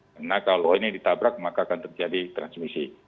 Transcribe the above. karena kalau ini ditabrak maka akan terjadi transmisi